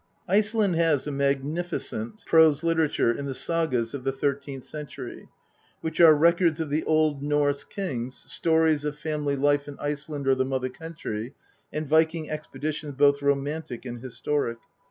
Iceland has a magnificent prose literature in the Sagas of the thirteenth century, which are records of the old Norse kings, stories of family life in Iceland or the mother country, and Viking expeditions both romantic and historic.